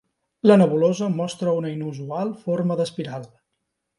La nebulosa mostra una inusual forma d'espiral.